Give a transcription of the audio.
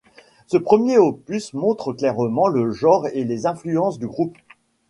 Ce premier opus montre clairement le genre et les influences du groupe.